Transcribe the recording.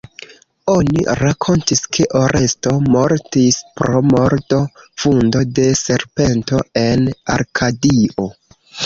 Oni rakontis ke Oresto mortis pro mordo-vundo de serpento en Arkadio.